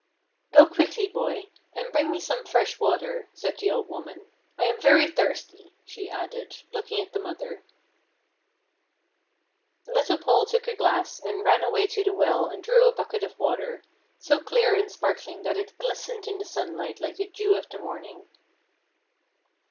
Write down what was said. "Go quickly, boy, and bring me some fresh water," said the old woman, "I am very thirsty," she added, looking at the mother. Little Paul took a glass and ran away to the well and drew a bucket of water, so clear and sparkling that it glistened in the sunlight like the dew of the morning.